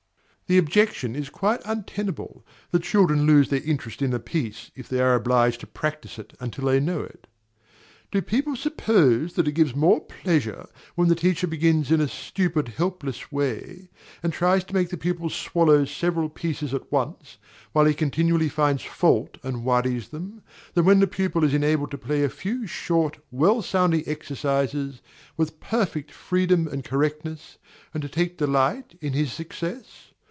The objection is quite untenable "that children lose their pleasure in a piece, if they are obliged to practise it until they know it." Do people suppose that it gives more pleasure, when the teacher begins in a stupid, helpless way, and tries to make the pupil swallow several pieces at once, while he continually finds fault and worries them, than when the pupil is enabled to play a few short, well sounding exercises, with perfect freedom and correctness, and to take delight in his success?